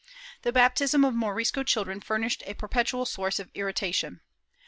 ^ The baptism of Morisco children furnished a perpetual source of irritation.